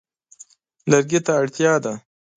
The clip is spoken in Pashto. لرګي ته اړتیا ده.